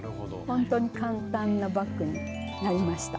ほんとに簡単なバッグになりました。